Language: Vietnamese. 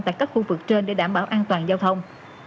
tại các khu vực trên để đảm bảo an toàn giao thông